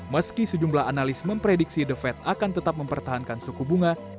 meski sejumlah analis memprediksi the fed akan tetap mempertahankan suku bunga